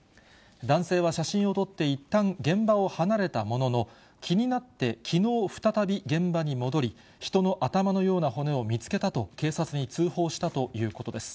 男性は写真を撮っていったん現場を離れたものの、気になってきのう、再び現場に戻り、人の頭のような骨を見つけたと、警察に通報したということです。